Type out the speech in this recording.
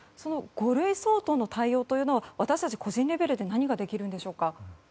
五類相当の対応というのは私たち個人レベルで何ができるんでしょうか？